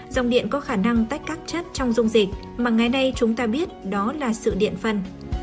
dòng điện có khả năng tách các chất trong dung dịch mà ngày nay chúng ta biết đó là sự điện phân